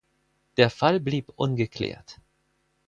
Der Fall blieb ungeklärt.